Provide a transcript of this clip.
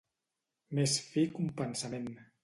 Més fi que un pensament.